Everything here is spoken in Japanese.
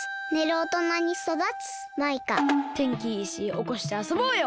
てんきいいしおこしてあそぼうよ！